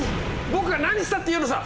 僕が何したっていうのさ